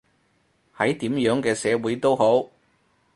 喺點樣嘅社會都好